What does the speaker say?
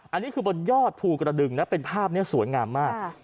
อันนี้คือบนยอดภูกระดึงนะเป็นภาพนี้สวยงามมาก